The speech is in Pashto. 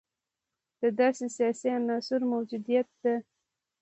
دا د سیاسي عنصر موجودیت ده.